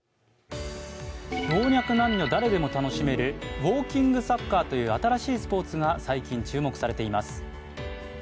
老若男女誰でも楽しめるウオーキングサッカーという新しいスポーツが最近、注目されています。